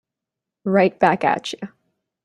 Right back at you.